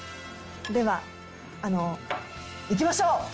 ではあのういきましょう！